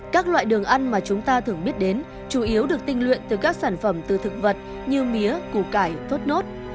các loại đường ăn mà chúng ta thường biết đến chủ yếu được tinh luyện từ các sản phẩm từ thực vật như mía củ cải thốt nốt